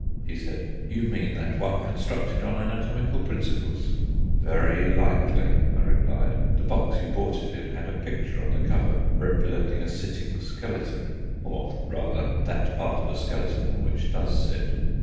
He said: "You mean that one constructed on anatomical principles." "Very likely," I replied. "The box you bought it in had a picture on the cover, representing a sitting skeleton or rather that part of a skeleton which does sit."